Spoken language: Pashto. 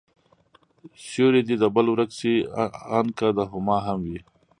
سيورى دي د بل ورک شي، آن که د هما هم وي